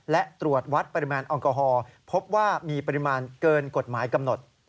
และตรวจวัดปริมาณแอลกอฮอล์พบว่ามีปริมาณเกินกฎหมายกำหนด